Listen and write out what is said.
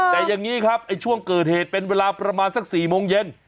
แต่อย่างนี้ครับช่วงเกิดเหตุเป็นเวลาประมาณสัก๔โมงเย็น